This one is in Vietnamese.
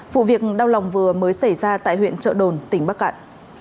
vụ việc đau lòng vừa mới xảy ra tại huyện trợ đồn tỉnh bắc cạn